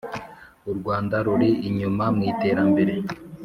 U Rwanda ruri inyuma mw’iterambere